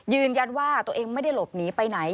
ยืนยันว่าตัวเองไม่ได้หลบหนีไปไหน